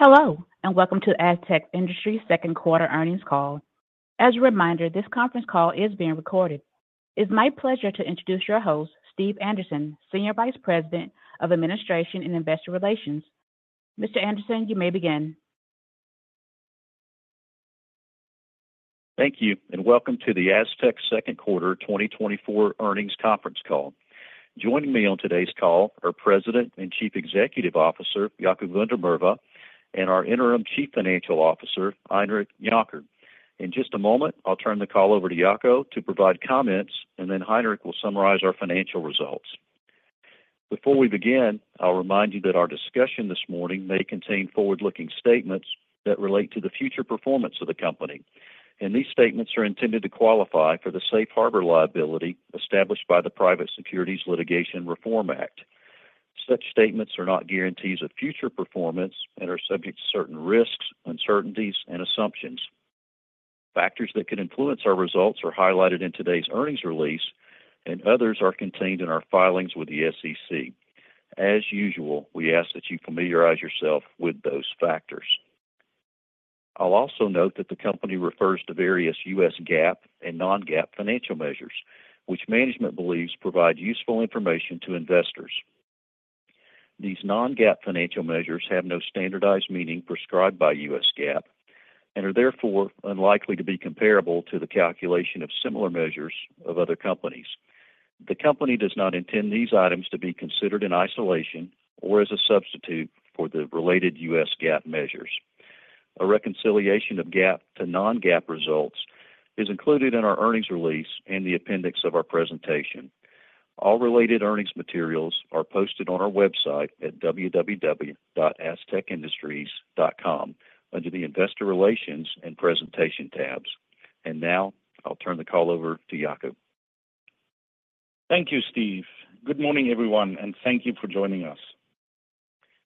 Hello, and welcome to Astec Industries Q2 Earnings Call. As a reminder, this conference call is being recorded. It's my pleasure to introduce your host, Steve Anderson, Senior Vice President of Administration and Investor Relations. Mr. Anderson, you may begin. Thank you, and welcome to the Astec Q2 2024 Earnings Conference Call. Joining me on today's call are President and Chief Executive Officer, Jaco van der Merwe, and our Interim Chief Financial Officer, Heinrich Jonker. In just a moment, I'll turn the call over to Jaco to provide comments, and then Heinrich will summarize our financial results. Before we begin, I'll remind you that our discussion this morning may contain forward-looking statements that relate to the future performance of the company, and these statements are intended to qualify for the safe harbor liability established by the Private Securities Litigation Reform Act. Such statements are not guarantees of future performance and are subject to certain risks, uncertainties, and assumptions. Factors that could influence our results are highlighted in today's earnings release, and others are contained in our filings with the SEC. As usual, we ask that you familiarize yourself with those factors. I'll also note that the company refers to various US GAAP and non-GAAP financial measures, which management believes provide useful information to investors. These non-GAAP financial measures have no standardized meaning prescribed by US GAAP and are therefore unlikely to be comparable to the calculation of similar measures of other companies. The company does not intend these items to be considered in isolation or as a substitute for the related US GAAP measures. A reconciliation of GAAP to non-GAAP results is included in our earnings release in the appendix of our presentation. All related earnings materials are posted on our website at www.astecindustries.com, under the Investor Relations and Presentation tabs. Now I'll turn the call over to Jaco. Thank you, Steve. Good morning, everyone, and thank you for joining us.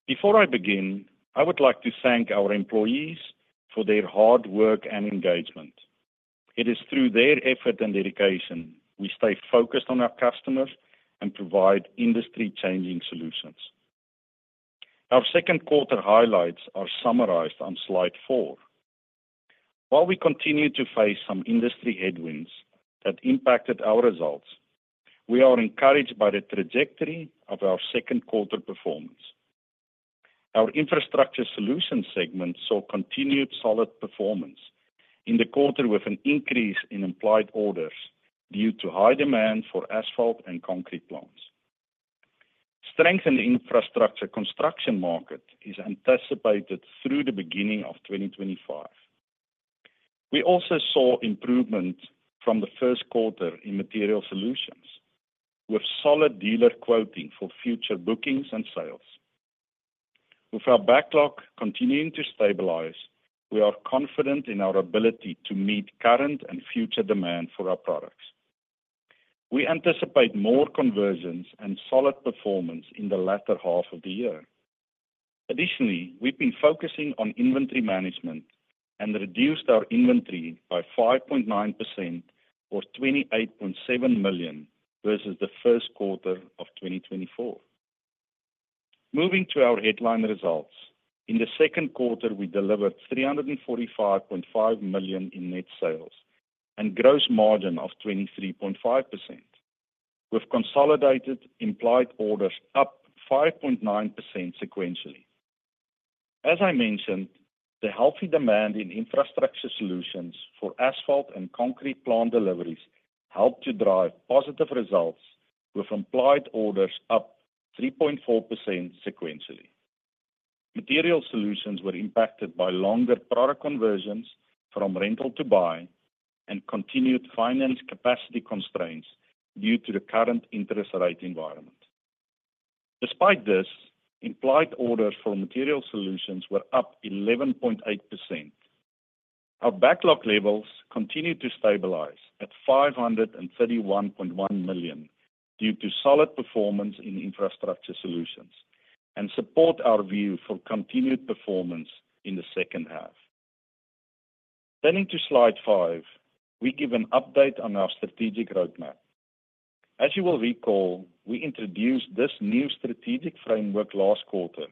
Before I begin, I would like to thank our employees for their hard work and engagement. It is through their effort and dedication, we stay focused on our customers and provide industry-changing solutions. Our Q2 highlights are summarized on slide four. While we continue to face some industry headwinds that impacted our results, we are encouraged by the trajectory of our Q2 performance. Our Infrastructure Solution Segment saw continued solid performance in the quarter with an increase in implied orders due to high demand for asphalt and concrete plants. Strength in the infrastructure construction market is anticipated through the beginning of 2025. We also saw improvement from the first quarter in Materials Solutions, with solid dealer quoting for future bookings and sales. With our backlog continuing to stabilize, we are confident in our ability to meet current and future demand for our products. We anticipate more conversions and solid performance in the latter half of the year. Additionally, we've been focusing on inventory management and reduced our inventory by 5.9% or $28.7 million versus the first quarter of 2024. Moving to our headline results. In Q2, we delivered $345.5 million in net sales and gross margin of 23.5%, with consolidated implied orders up 5.9% sequentially. As I mentioned, the healthy demand in Infrastructure Solutions for asphalt and concrete plant deliveries helped to drive positive results, with implied orders up 3.4% sequentially. Material solutions were impacted by longer product conversions from rental to buy and continued finance capacity constraints due to the current interest rate environment. Despite this, implied orders for Materials solutions were up 11.8%. Our backlog levels continue to stabilize at $531.1 million, due to solid performance in infrastructure solutions and support our view for continued performance in the second half. Turning to slide five, we give an update on our strategic roadmap. As you will recall, we introduced this new strategic framework last quarter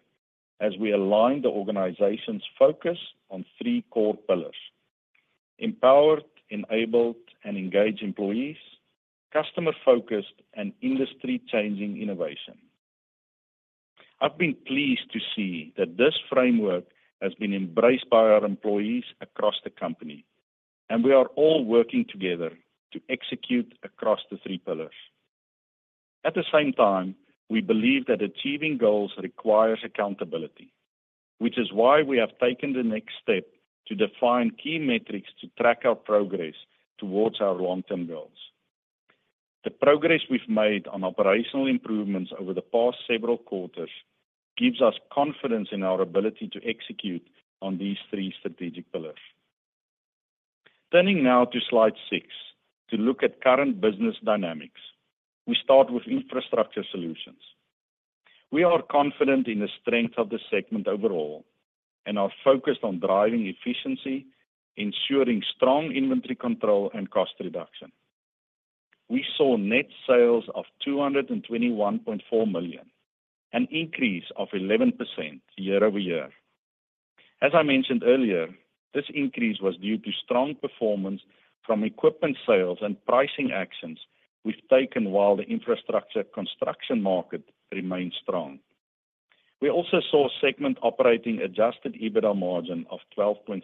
as we aligned the organization's focus on three core pillars: empowered, enabled, and engaged employees, customer-focused, and industry-changing innovation. I've been pleased to see that this framework has been embraced by our employees across the company, and we are all working together to execute across the three pillars. At the same time, we believe that achieving goals requires accountability, which is why we have taken the next step to define key metrics to track our progress towards our long-term goals. The progress we've made on operational improvements over the past several quarters gives us confidence in our ability to execute on these three strategic pillars. Turning now to slide six, to look at current business dynamics. We start with infrastructure solutions. We are confident in the strength of the segment overall and are focused on driving efficiency, ensuring strong inventory control, and cost reduction. We saw net sales of $221.4 million, an increase of 11% year-over-year. As I mentioned earlier, this increase was due to strong performance from equipment sales and pricing actions we've taken while the infrastructure construction market remains strong. We also saw segment operating Adjusted EBITDA margin of 12.3%,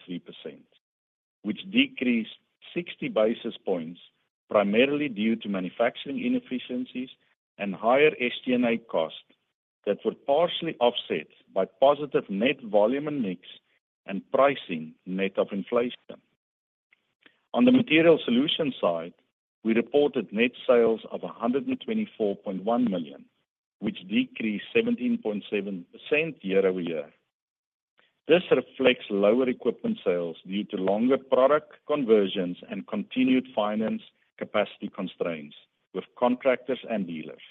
which decreased 60 basis points, primarily due to manufacturing inefficiencies and higher SG&A costs that were partially offset by positive net volume and mix and pricing net of inflation. On the Materials Solutions side, we reported net sales of $124.1 million, which decreased 17.7% year-over-year. This reflects lower equipment sales due to longer product conversions and continued finance capacity constraints with contractors and dealers.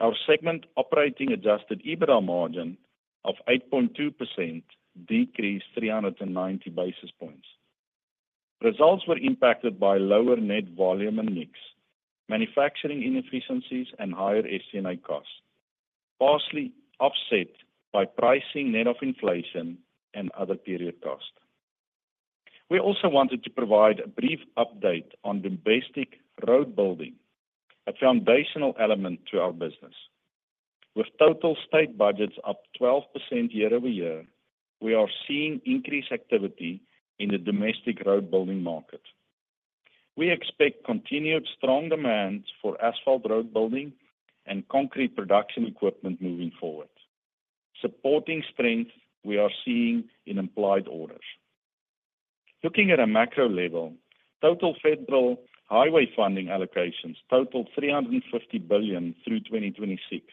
Our segment operating Adjusted EBITDA margin of 8.2% decreased 390 basis points. Results were impacted by lower net volume and mix, manufacturing inefficiencies, and higher SG&A costs, partially offset by pricing net of inflation and other period costs. We also wanted to provide a brief update on domestic road building, a foundational element to our business. With total state budgets up 12% year-over-year, we are seeing increased activity in the domestic road building market. We expect continued strong demand for asphalt road building and concrete production equipment moving forward, supporting strength we are seeing in implied orders. Looking at a macro level, total federal highway funding allocations totaled $350 billion through 2026,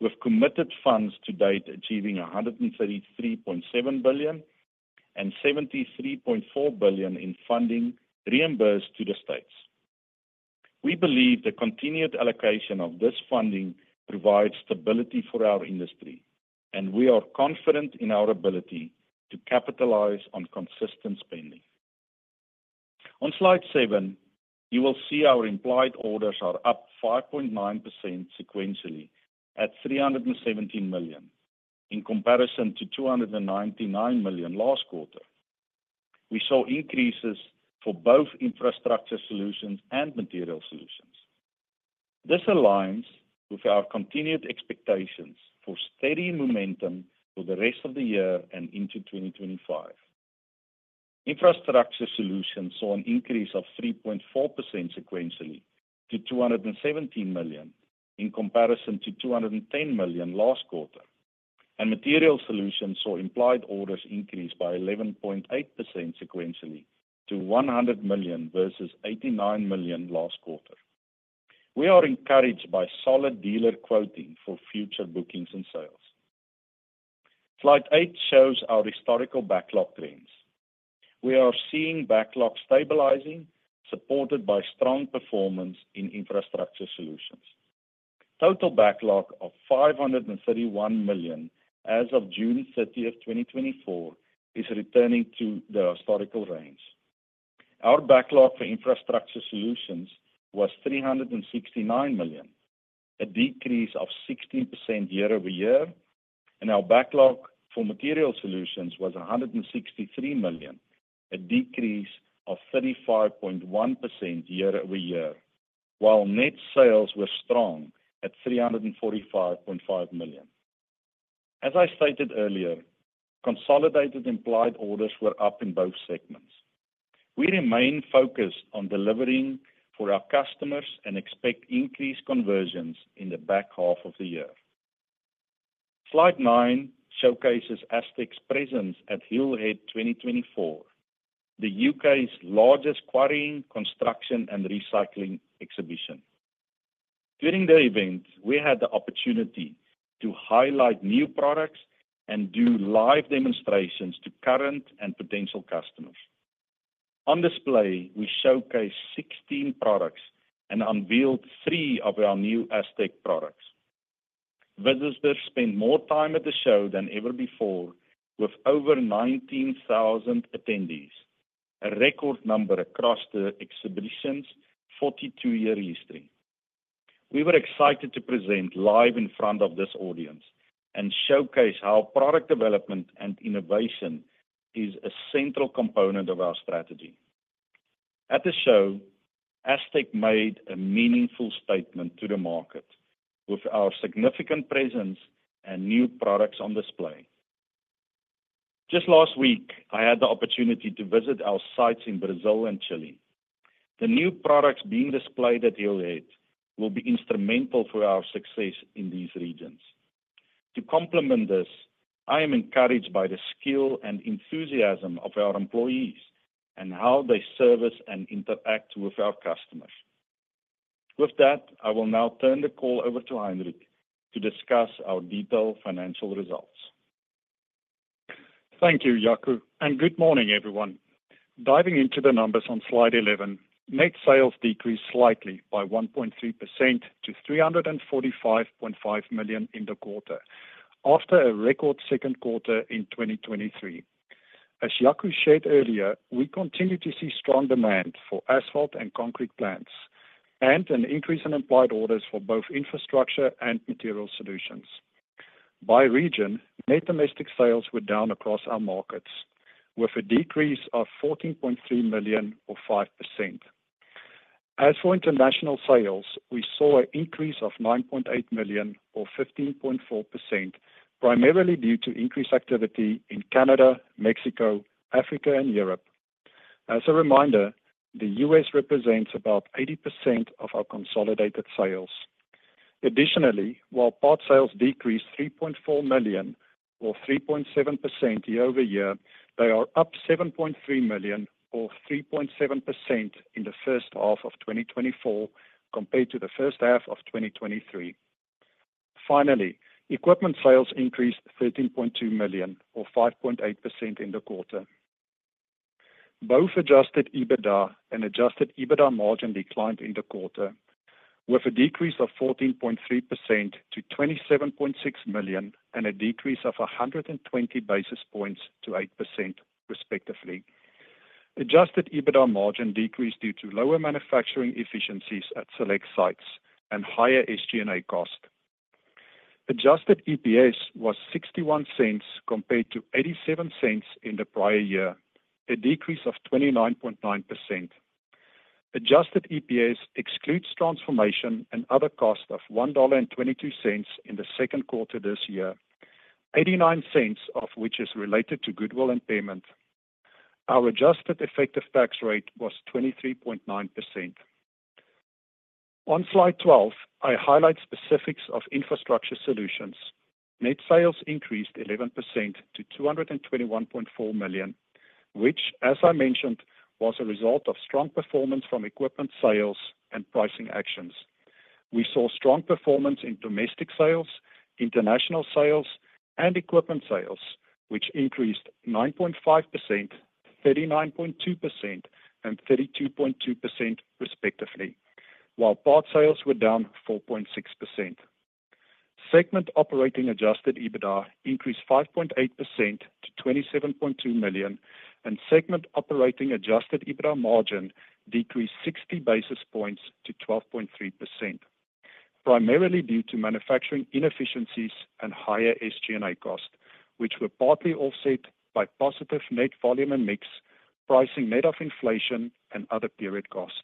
with committed funds to date achieving $133.7 billion and $73.4 billion in funding reimbursed to the states. We believe the continued allocation of this funding provides stability for our industry, and we are confident in our ability to capitalize on consistent spending. On slide seven, you will see our implied orders are up 5.9% sequentially at $317, in comparison to 299 million last quarter. We saw increases for both infrastructure solutions and material solutions. This aligns with our continued expectations for steady momentum for the rest of the year and into 2025. Infrastructure solutions saw an increase of 3.4% sequentially to $217, in comparison to 210 million last quarter. Material solutions saw implied orders increase by 11.8% sequentially to $100 versus 89 million last quarter. We are encouraged by solid dealer quoting for future bookings and sales. Slide eight shows our historical backlog trends. We are seeing backlog stabilizing, supported by strong performance in infrastructure solutions. Total backlog of $531 million as of June 30, 2024, is returning to the historical range. Our backlog for infrastructure solutions was $369 million, a decrease of 16% year-over-year, and our backlog for material solutions was $163 million, a decrease of 35.1% year-over-year, while net sales were strong at $345.5 million. As I stated earlier, consolidated implied orders were up in both segments. We remain focused on delivering for our customers and expect increased conversions in the back half of the year. Slide nine showcases Astec's presence at Hillhead 2024, the U.K.'s largest quarrying, construction, and recycling exhibition. During the event, we had the opportunity to highlight new products and do live demonstrations to current and potential customers. On display, we showcased 16 products and unveiled three of our new Astec products. Visitors spent more time at the show than ever before, with over 19,000 attendees, a record number across the exhibition's 42-year history. We were excited to present live in front of this audience and showcase how product development and innovation is a central component of our strategy. At the show, Astec made a meaningful statement to the market with our significant presence and new products on display. Just last week, I had the opportunity to visit our sites in Brazil and Chile. The new products being displayed at Hillhead will be instrumental for our success in these regions. To complement this, I am encouraged by the skill and enthusiasm of our employees and how they service and interact with our customers. With that, I will now turn the call over to Heinrich to discuss our detailed financial results. Thank you, Jaco, and good morning, everyone. Diving into the numbers on slide 11, net sales decreased slightly by 1.3% to $345.5 million in the quarter after a record Q2 in 2023. As Jaco shared earlier, we continue to see strong demand for asphalt and concrete plants, and an increase in implied orders for both infrastructure and material solutions. By region, net domestic sales were down across our markets, with a decrease of $14.3 million, or 5%. As for international sales, we saw an increase of $9.8 million, or 15.4%, primarily due to increased activity in Canada, Mexico, Africa, and Europe. As a reminder, the U.S. represents about 80% of our consolidated sales. Additionally, while part sales decreased $3.4 million, or 3.7% year-over-year, they are up $7.3 million, or 3.7%, in the first half of 2024 compared to the first half of 2023. Finally, equipment sales increased $13.2 million, or 5.8% in the quarter. Both adjusted EBITDA and adjusted EBITDA margin declined in the quarter, with a decrease of 14.3% to $27.6 million and a decrease of 120 basis points to 8%, respectively. Adjusted EBITDA margin decreased due to lower manufacturing efficiencies at select sites and higher SG&A cost. Adjusted EPS was $0.61, compared to $0.87 in the prior year, a decrease of 29.9%. Adjusted EPS excludes transformation and other costs of $1.22 in Q2 this year, $0.89 of which is related to goodwill impairment. Our adjusted effective tax rate was 23.9%. On slide 12, I highlight specifics of infrastructure solutions. Net sales increased 11% to $221.4 million, which, as I mentioned, was a result of strong performance from equipment sales and pricing actions. We saw strong performance in domestic sales, international sales, and equipment sales, which increased 9.5%, 39.2%, and 32.2%, respectively, while part sales were down 4.6%. Segment operating Adjusted EBITDA increased 5.8% to $27.2 million, and segment operating Adjusted EBITDA margin decreased 60 basis points to 12.3%, primarily due to manufacturing inefficiencies and higher SG&A costs, which were partly offset by positive net volume and mix, pricing net of inflation and other period costs.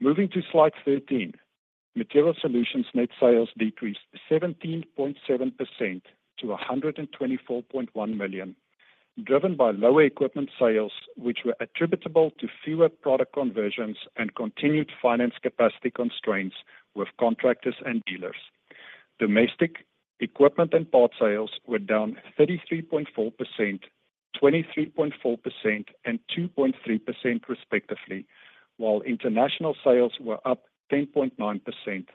Moving to slide 13, material solutions net sales decreased 17.7% to $124.1 million, driven by lower equipment sales, which were attributable to fewer product conversions and continued finance capacity constraints with contractors and dealers. Domestic equipment and part sales were down 33.4%, 23.4%, and 2.3%, respectively, while international sales were up 10.9%.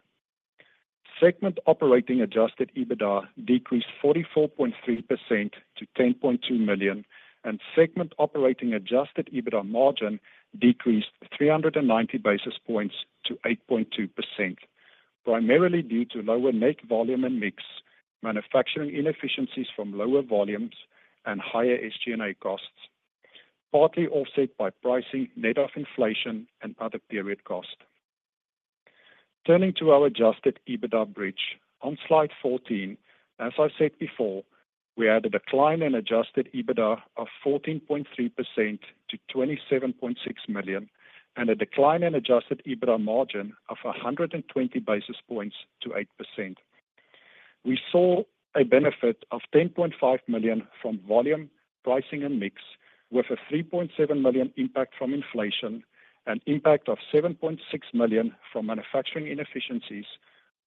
Segment operating adjusted EBITDA decreased 44.3% to $10.2 million, and segment operating adjusted EBITDA margin decreased 390 basis points to 8.2%, primarily due to lower net volume and mix, manufacturing inefficiencies from lower volumes, and higher SG&A costs, partly offset by pricing net of inflation and other period costs. Turning to our adjusted EBITDA bridge on slide 14, as I said before, we had a decline in adjusted EBITDA of 14.3% to $27.6 million, and a decline in adjusted EBITDA margin of 120 basis points to 8%. We saw a benefit of $10.5 million from volume, pricing, and mix, with a $3.7 million impact from inflation, an impact of $7.6 million from manufacturing inefficiencies,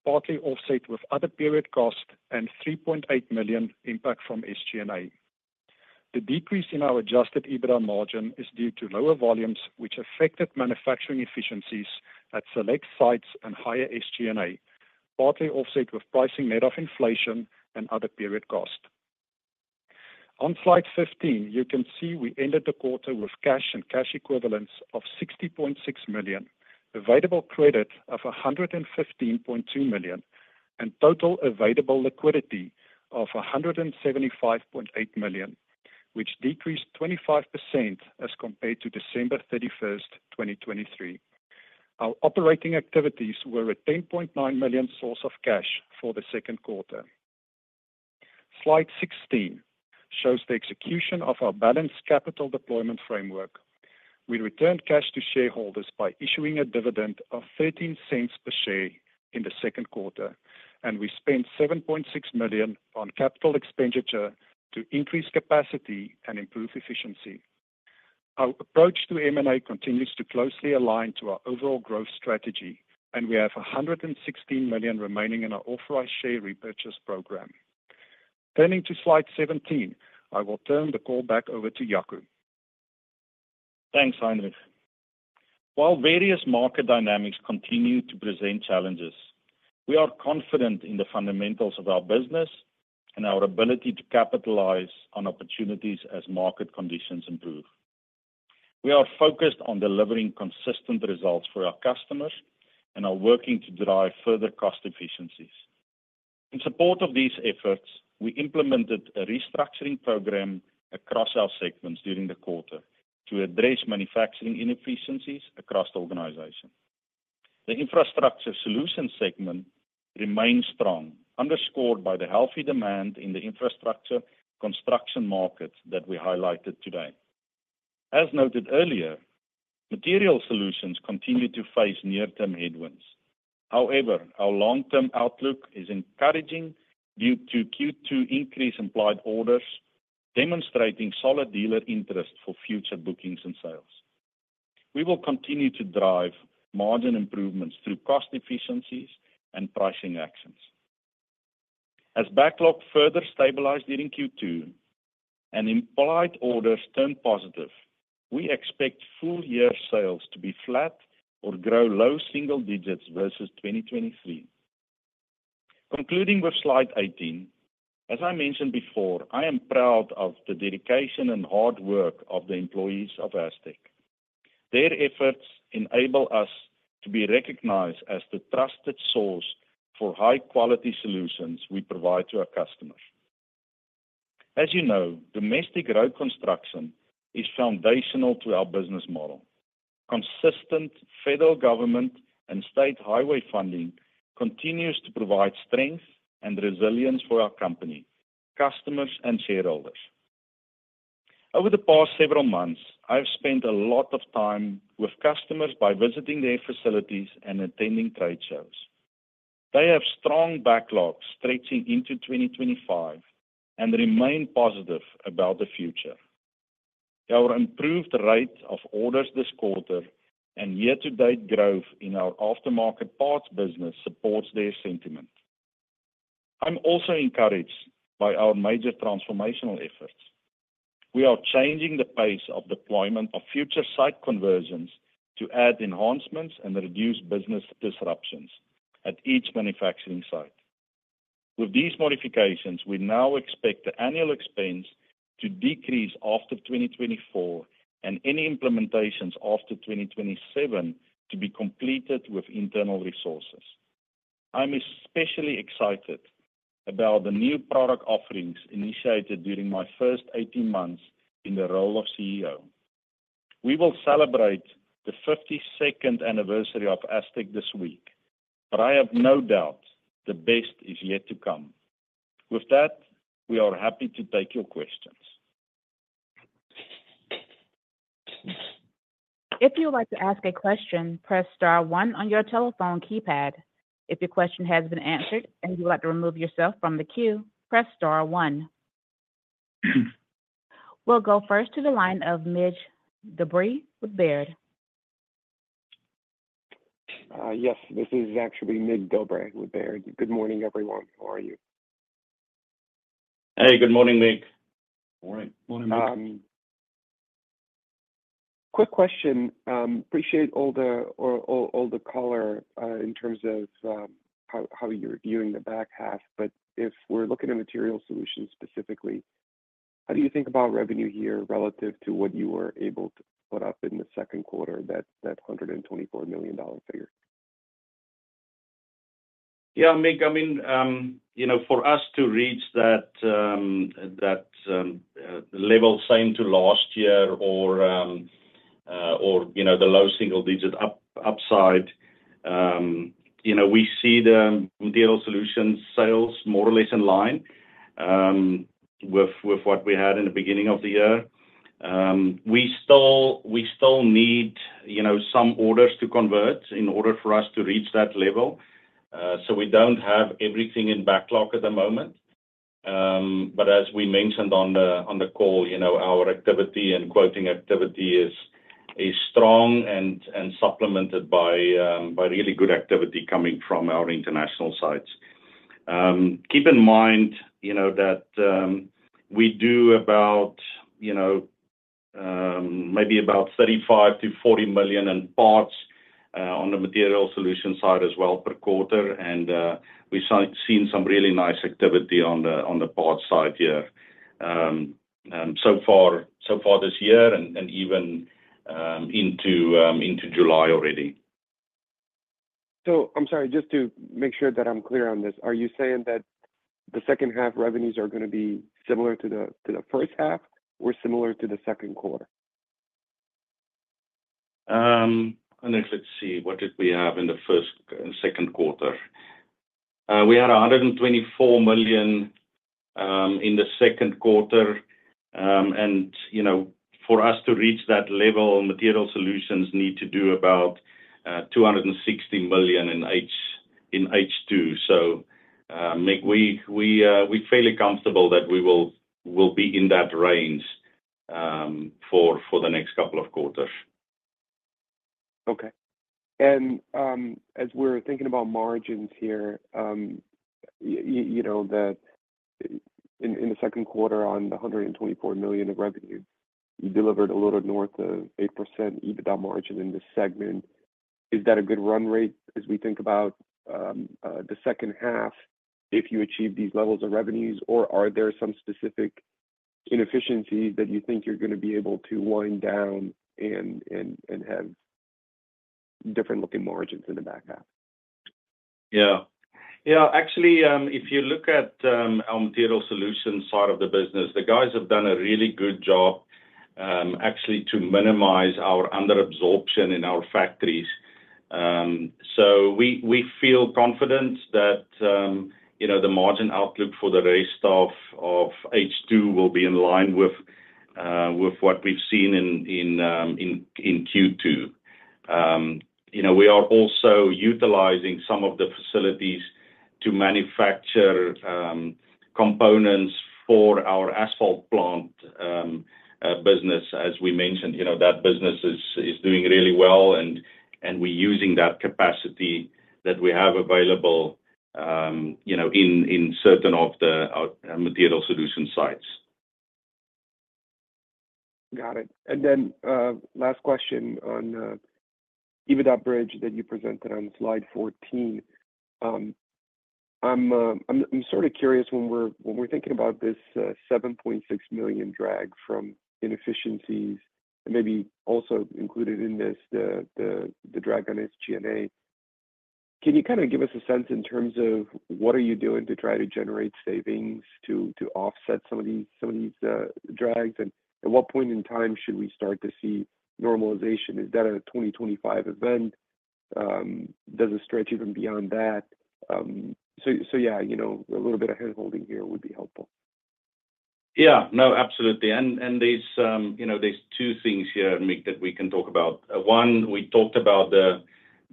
partly offset with other period costs, and $3.8 million impact from SG&A. The decrease in our adjusted EBITDA margin is due to lower volumes, which affected manufacturing efficiencies at select sites and higher SG&A, partly offset with pricing net of inflation and other period costs. On slide 15, you can see we ended the quarter with cash and cash equivalents of $60.6 million, available credit of $115.2 million, and total available liquidity of $175.8 million, which decreased 25% as compared to December 31, 2023. Our operating activities were a $10.9 million source of cash for the Q2. Slide 16 shows the execution of our balanced capital deployment framework. We returned cash to shareholders by issuing a dividend of $0.13 per share in Q2, and we spent $7.6 million on capital expenditure to increase capacity and improve efficiency. Our approach to M&A continues to closely align to our overall growth strategy, and we have $116 million remaining in our authorized share repurchase program. Turning to Slide 17, I will turn the call back over to Jaco. Thanks, Heinrich. While various market dynamics continue to present challenges, we are confident in the fundamentals of our business and our ability to capitalize on opportunities as market conditions improve. We are focused on delivering consistent results for our customers and are working to drive further cost efficiencies. In support of these efforts, we implemented a restructuring program across our segments during the quarter to address manufacturing inefficiencies across the organization. The infrastructure solution segment remains strong, underscored by the healthy demand in the infrastructure construction market that we highlighted today. As noted earlier, material solutions continue to face near-term headwinds. However, our long-term outlook is encouraging due to Q2 increased implied orders, demonstrating solid dealer interest for future bookings and sales. We will continue to drive margin improvements through cost efficiencies and pricing actions. As backlog further stabilized during Q2 and implied orders turned positive, we expect full year sales to be flat or grow low single digits versus 2023. Concluding with slide 18, as I mentioned before, I am proud of the dedication and hard work of the employees of Astec. Their efforts enable us to be recognized as the trusted source for high-quality solutions we provide to our customers. As you know, domestic road construction is foundational to our business model. Consistent federal government and state highway funding continues to provide strength and resilience for our company, customers, and shareholders. Over the past several months, I have spent a lot of time with customers by visiting their facilities and attending trade shows. They have strong backlogs stretching into 2025 and remain positive about the future. Our improved rate of orders this quarter and year-to-date growth in our aftermarket parts business supports their sentiment. I'm also encouraged by our major transformational efforts. We are changing the pace of deployment of future site conversions to add enhancements and reduce business disruptions at each manufacturing site. With these modifications, we now expect the annual expense to decrease after 2024, and any implementations after 2027 to be completed with internal resources. I'm especially excited about the new product offerings initiated during my first 18 months in the role of CEO. We will celebrate the 52nd anniversary of Astec this week, but I have no doubt the best is yet to come. With that, we are happy to take your questions. If you would like to ask a question, press star one on your telephone keypad. If your question has been answered and you'd like to remove yourself from the queue, press star one. We'll go first to the line of Mircea Dobre with Baird. Yes, this is actually Mig Dobre with Baird. Good morning, everyone. How are you? Hey, good morning, Mig. Morning. Morning, Mig. Quick question. Appreciate all the color in terms of how you're viewing the back half, but if we're looking at material solutions specifically, how do you think about revenue here relative to what you were able to put up in Q2, that $124 million figure? Yeah, Mig, I mean, you know, for us to reach that level same to last year or, you know, the low single-digit upside, you know, we see the material solution sales more or less in line with what we had in the beginning of the year. We still need, you know, some orders to convert in order for us to reach that level. So we don't have everything in backlog at the moment. But as we mentioned on the call, you know, our activity and quoting activity is strong and supplemented by really good activity coming from our international sites. Keep in mind, you know, that we do about, you know, maybe about $35 -40 million in parts on the material solution side as well per quarter, and we've seen some really nice activity on the parts side here so far this year and even into July already. I'm sorry, just to make sure that I'm clear on this, are you saying that the second half revenues are gonna be similar to the first half or similar to Q2? Let's see. What did we have in the first and Q2? We had $124 million in the Q2. And, you know, for us to reach that level, material solutions need to do about $260 million in H2. So, Mig, we're fairly comfortable that we'll be in that range for the next couple of quarters. Okay. And, as we're thinking about margins here, you know, that in Q2, on the $124 million of revenue, you delivered a little north of 8% EBITDA margin in this segment. Is that a good run rate as we think about the second half, if you achieve these levels of revenues? Or are there some specific inefficiencies that you think you're gonna be able to wind down and have different looking margins in the back half? Yeah. Yeah, actually, if you look at our material solutions side of the business, the guys have done a really good job, actually to minimize our under absorption in our factories. So we feel confident that, you know, the margin outlook for the rest of H2 will be in line with what we've seen in Q2. You know, we are also utilizing some of the facilities to manufacture components for our asphalt plant business. As we mentioned, you know, that business is doing really well, and we're using that capacity that we have available, you know, in certain of our material solution sites. Got it. And then, last question on the EBITDA bridge that you presented on slide 14. I'm sort of curious, when we're thinking about this $7.6 million drag from inefficiencies, maybe also included in this, the drag on SG&A, can you kinda give us a sense in terms of what are you doing to try to generate savings to offset some of these drags? And at what point in time should we start to see normalization? Is that a 2025 event? Does it stretch even beyond that? So yeah, you know, a little bit of hand-holding here would be helpful. Yeah. No, absolutely. And there's, you know, there's two things here, Mig, that we can talk about. One, we talked about the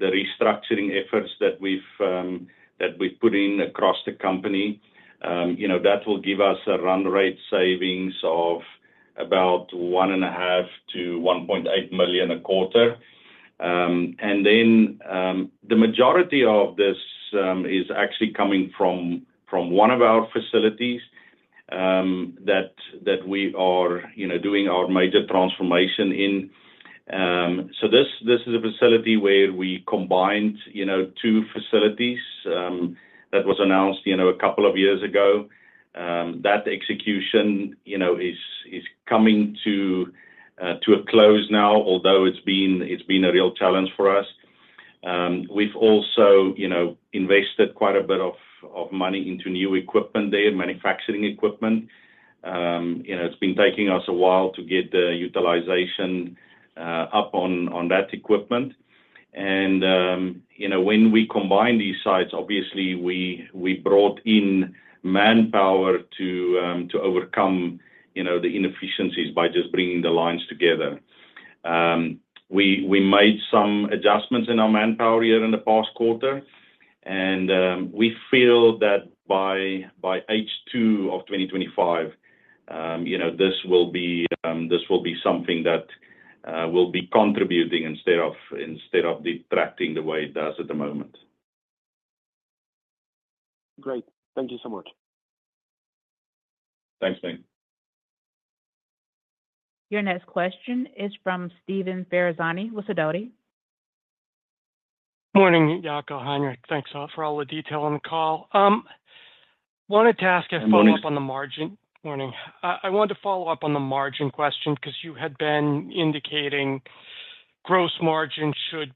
restructuring efforts that we've, that we've put in across the company. You know, that will give us a run rate savings of about $1.5 -1.8 million a quarter. And then, the majority of this is actually coming from, from one of our facilities, that, that we are, you know, doing our major transformation in. So this, this is a facility where we combined, you know, two facilities, that was announced, you know, a couple of years ago. That execution, you know, is, is coming to, to a close now, although it's been, it's been a real challenge for us. We've also, you know, invested quite a bit of money into new equipment there, manufacturing equipment. You know, it's been taking us a while to get the utilization up on that equipment. And, you know, when we combine these sites, obviously, we brought in manpower to overcome, you know, the inefficiencies by just bringing the lines together. We made some adjustments in our manpower here in the past quarter, and we feel that by H2 of 2025, you know, this will be something that will be contributing instead of detracting the way it does at the moment. Great. Thank you so much. Thanks, Mig. Your next question is from Steve Ferazani with Sidoti & Company. Morning, Jaco, Heinrich. Thanks a lot for all the detail on the call. Wanted to ask a follow-up- Morning. on the margin. Morning. I wanted to follow up on the margin question, 'cause you had been indicating gross margin should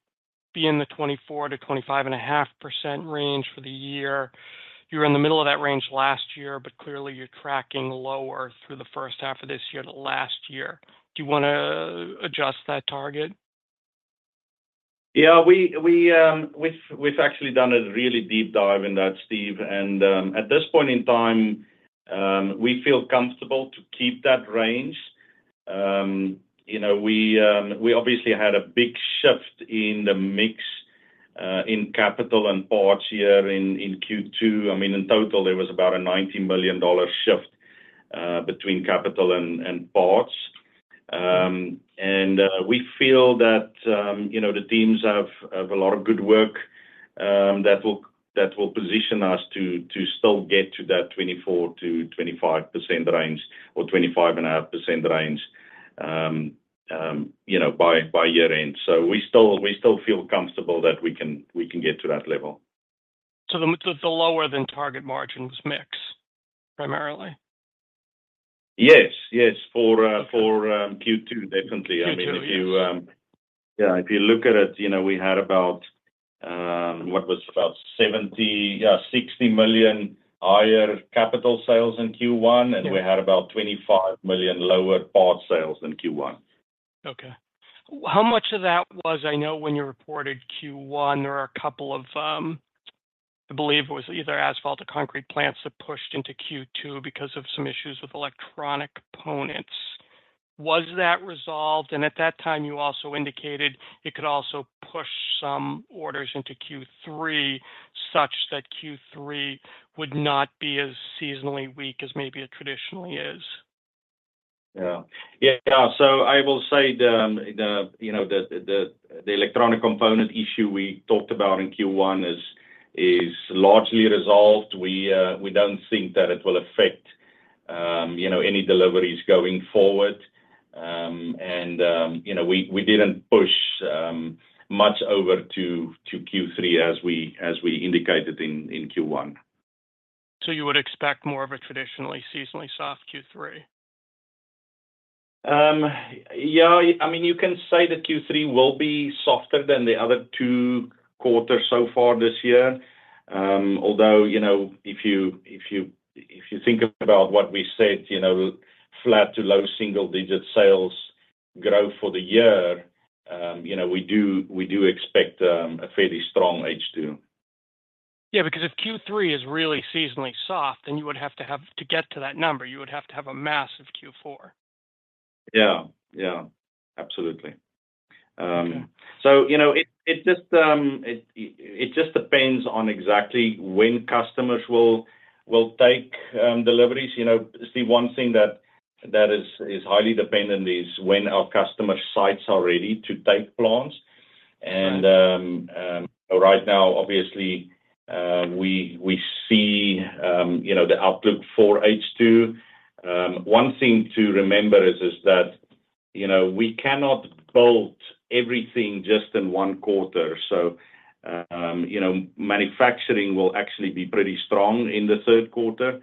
be in the 24%-25.5% range for the year. You were in the middle of that range last year, but clearly you're tracking lower through the first half of this year to last year. Do you wanna adjust that target? Yeah, we've actually done a really deep dive in that, Steve, and at this point in time, we feel comfortable to keep that range. You know, we obviously had a big shift in the mix in capital and parts here in Q2. I mean, in total, there was about a $90 million shift between capital and parts. And we feel that, you know, the teams have a lot of good work that will position us to still get to that 24%-25% range, or 25.5% range, you know, by year end. So we still feel comfortable that we can get to that level. It's a lower than target margins mix, primarily? Yes. Yes, for Q2, definitely. Q2, yes. I mean, if you yeah, if you look at it, you know, we had about, what was it? About $70, yeah, $60 million higher capital sales in Q1, and we had about $25 million lower part sales in Q1. Okay. How much of that was... I know when you reported Q1, there were a couple of, I believe it was either asphalt or concrete plants that pushed into Q2 because of some issues with electronic components. Was that resolved? And at that time, you also indicated it could also push some orders into Q3, such that Q3 would not be as seasonally weak as maybe it traditionally is. Yeah. Yeah, so I will say you know, the electronic component issue we talked about in Q1 is largely resolved. We don't think that it will affect you know, any deliveries going forward. And you know, we didn't push much over to Q3 as we indicated in Q1. You would expect more of a traditionally seasonally soft Q3? Yeah, I mean, you can say that Q3 will be softer than the other two quarters so far this year. Although, you know, if you think about what we said, you know, flat to low single-digit sales growth for the year, you know, we do expect a fairly strong H2. Yeah, because if Q3 is really seasonally soft, then to get to that number, you would have to have a massive Q4. Yeah. Yeah, absolutely. So, you know, it just depends on exactly when customers will take deliveries. You know, the one thing that is highly dependent is when our customer sites are ready to take plants. Right. Right now, obviously, we see, you know, the outlook for H2. One thing to remember is that, you know, we cannot build everything just in one quarter. So, you know, manufacturing will actually be pretty strong in the third quarter,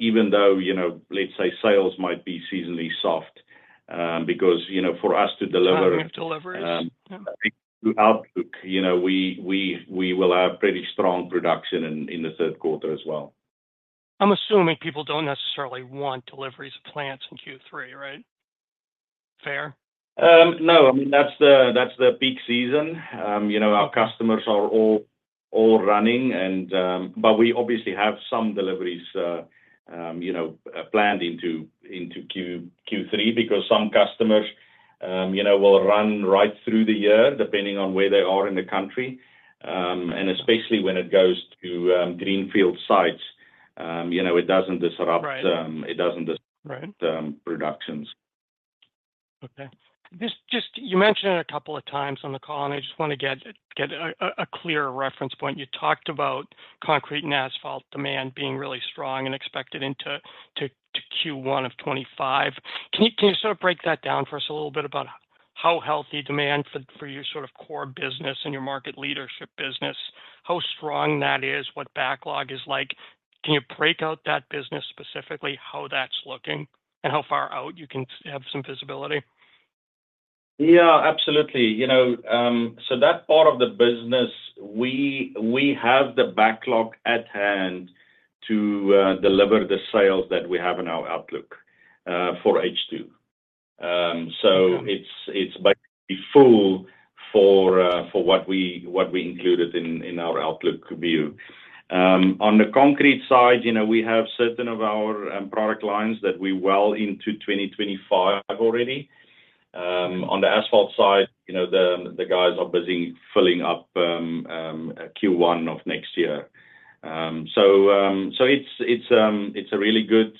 even though, you know, let's say, sales might be seasonally soft, because, you know, for us to deliver- Deliveries. Outlook, you know, we will have pretty strong production in the third quarter as well. I'm assuming people don't necessarily want deliveries of plants in Q3, right? Fair? No. I mean, that's the peak season. You know, our customers are all running. But we obviously have some deliveries, you know, planned into Q3 because some customers will run right through the year, depending on where they are in the country. And especially when it goes to greenfield sites, you know, it doesn't disrupt- Right. It doesn't dis- Right Um, productions. Okay. Just you mentioned it a couple of times on the call, and I just wanna get a clearer reference point. You talked about concrete and asphalt demand being really strong and expected into Q1 of 2025. Can you sort of break that down for us a little bit about how healthy demand for your sort of core business and your market leadership business, how strong that is, what backlog is like? Can you break out that business, specifically, how that's looking and how far out you can have some visibility? Yeah, absolutely. You know, so that part of the business, we have the backlog at hand to deliver the sales that we have in our outlook for H2. Okay. So it's basically full for what we included in our outlook view. On the concrete side, you know, we have certain of our product lines that we're well into 2025 already. On the asphalt side, you know, the guys are busy filling up Q1 of next year. So it's a really good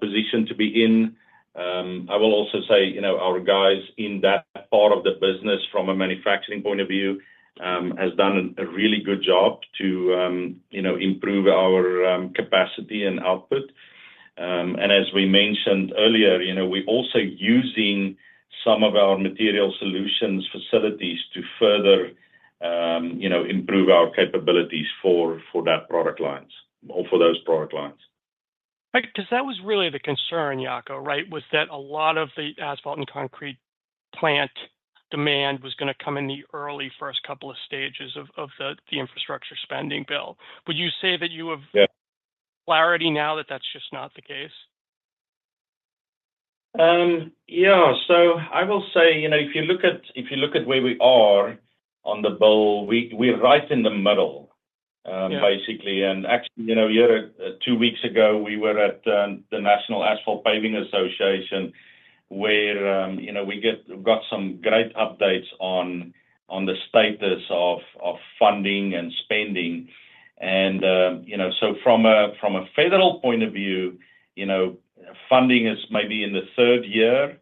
position to be in. I will also say, you know, our guys in that part of the business, from a manufacturing point of view, has done a really good job to, you know, improve our capacity and output. As we mentioned earlier, you know, we're also using some of our material solutions facilities to further, you know, improve our capabilities for that product lines or for those product lines. Like, 'cause that was really the concern, Jaco, right? Was that a lot of the asphalt and concrete plant demand was gonna come in the early first couple of stages of the infrastructure spending bill. Would you say that you have- Yeah clarity now that that's just not the case? Yeah. So I will say, you know, if you look at, if you look at where we are on the bill, we, we're right in the middle- Yeah... basically. And actually, you know, here, two weeks ago, we were at the National Asphalt Paving Association, where, you know, we got some great updates on the status of funding and spending. And, you know, so from a federal point of view, you know, funding is maybe in the third year.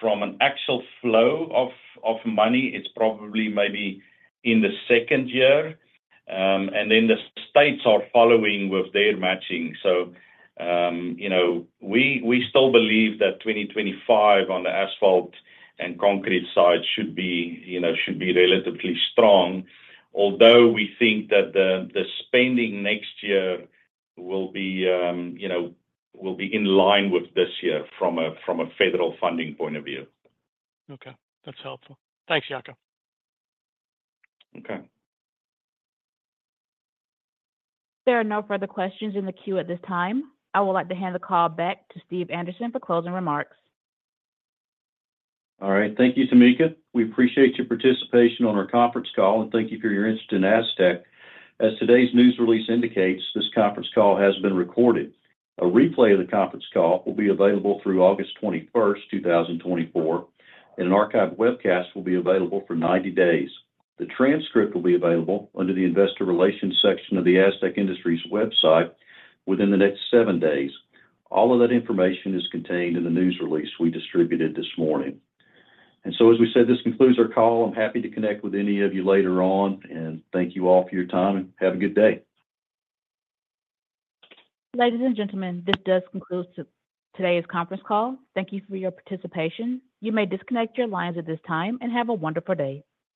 From an actual flow of money, it's probably maybe in the second year. And then the states are following with their matching. So, you know, we still believe that 2025 on the asphalt and concrete side should be, you know, should be relatively strong. Although we think that the spending next year will be, you know, will be in line with this year from a federal funding point of view. Okay. That's helpful. Thanks, Jaco. Okay. There are no further questions in the queue at this time. I would like to hand the call back to Steve Anderson for closing remarks. All right. Thank you, Tamika. We appreciate your participation on our conference call, and thank you for your interest in Astec. As today's news release indicates, this conference call has been recorded. A replay of the conference call will be available through August 21, 2024, and an archived webcast will be available for 90 days. The transcript will be available under the Investor Relations section of the Astec Industries website within the next seven days. All of that information is contained in the news release we distributed this morning. As we said, this concludes our call. I'm happy to connect with any of you later on, and thank you all for your time, and have a good day. Ladies and gentlemen, this does conclude today's conference call. Thank you for your participation. You may disconnect your lines at this time, and have a wonderful day.